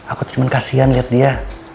aku cuman kasihan liat dia